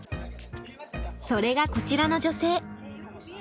それがこちらの女性。